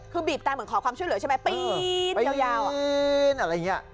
คือบีบแต่เหมือนขอความช่วยเหลือใช่ไหมปี๊ดยาว